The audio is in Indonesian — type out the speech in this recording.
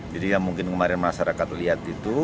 jadi yang mungkin kemarin masyarakat lihat itu